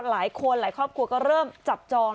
หลายคนหลายครอบครัวก็เริ่มจับจอง